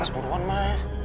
mas buruan mas